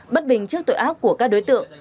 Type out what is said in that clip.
bất bình trước tội ác của các đối tượng